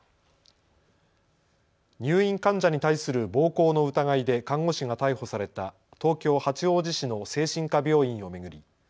入院患者に対する暴行の疑いで看護師が逮捕された東京八王子市の精神科病院を巡り